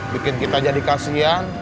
bikin kita jadi kasihan